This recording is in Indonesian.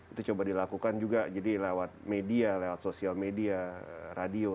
itu coba dilakukan juga jadi lewat media lewat sosial media radio